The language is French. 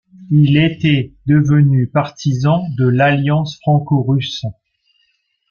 Il était devenu partisan de l'alliance franco-russe.